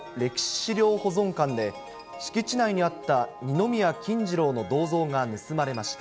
資料保存館で、敷地内にあった二宮金次郎の銅像が盗まれました。